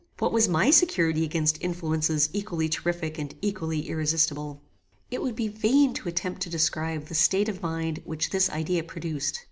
What was my security against influences equally terrific and equally irresistable? It would be vain to attempt to describe the state of mind which this idea produced.